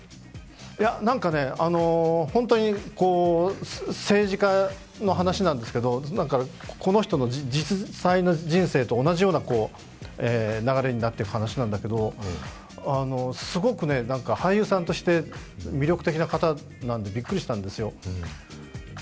なんか、本当に政治家の話なんですけど、この人の実際の人生と同じような流れになっている話なんだけど、すごく俳優さんとして魅力的な方なんで、びっくりしたんですよ。